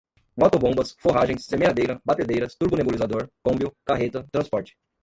motobombas, forragens, semeadeira, batedeiras, turbonebulizador, combio, carreta, transporte